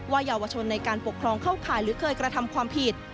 เยาวชนในการปกครองเข้าข่ายหรือเคยกระทำความผิด